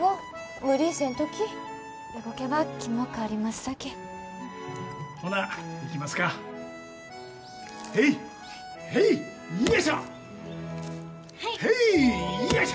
無理せんとき動けば気も変わりますさけ・ほないきますかへいよいしょッへいよいしょ！